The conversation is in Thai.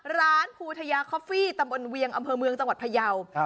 ภูทยาคอฟฟี่ตำบลเวียงอำเภอเมืองจังหวัดพยาว